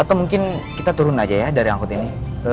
atau mungkin kita turun aja ya dari angkut ini